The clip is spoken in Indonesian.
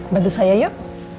bantu saya yuk